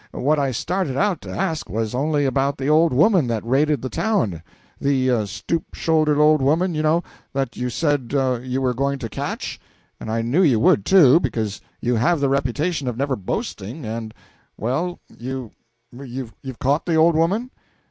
What I started out to ask was only about the old woman that raided the town the stoop shouldered old woman, you know, that you said you were going to catch; and I knew you would, too, because you have the reputation of never boasting, and well, you you've caught the old woman?"